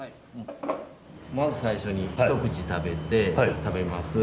まず最初に一口食べて食べます。